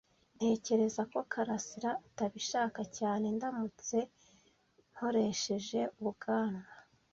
Ntekereza ko karasira atabishaka cyane ndamutse nkoresheje ubwanwa